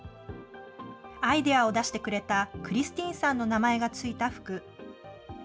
アイデアを出してくれたクリスティーンさんの名前が付いた服。